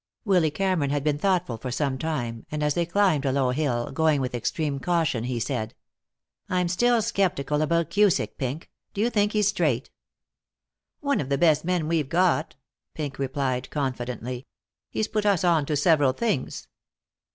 Willy Cameron had been thoughtful for some time, and as they climbed a low hill, going with extreme caution, he said: "I'm still skeptical about Cusick, Pink. Do you think he's straight?" "One of the best men we've got," Pink replied, confidently. "He's put us on to several things."